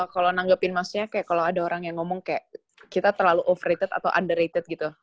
kalo nanggepin maksudnya kayak kalo ada orang yang ngomong kayak kita terlalu overrated atau underrated gitu